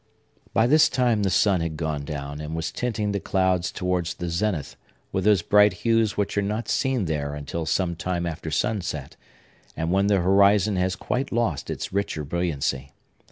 By this time the sun had gone down, and was tinting the clouds towards the zenith with those bright hues which are not seen there until some time after sunset, and when the horizon has quite lost its richer brilliancy.